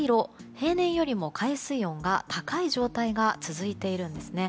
平年よりも海水温が高い状態が続いているんですね。